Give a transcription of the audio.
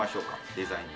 デザイン。